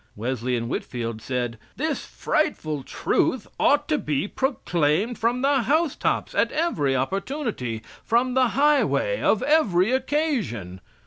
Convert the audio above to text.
Wesley and Whitfield said: "This frightful truth ought to be proclaimed from the housetops at every opportunity, from the highway of every occasion."